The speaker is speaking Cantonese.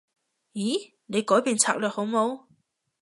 咦？你改變策略好冇？